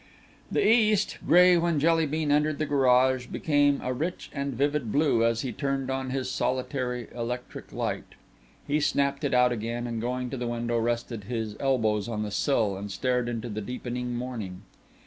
The East, gray when Jelly bean entered the garage, became a rich and vivid blue as he turned on his solitary electric light. He snapped it out again, and going to the window rested his elbows on the sill and stared into the deepening morning.